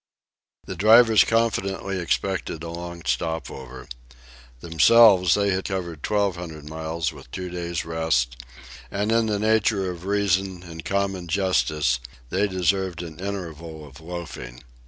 The drivers confidently expected a long stopover. Themselves, they had covered twelve hundred miles with two days' rest, and in the nature of reason and common justice they deserved an interval of loafing.